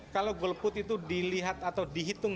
kalau golput itu dilihat atau dihitung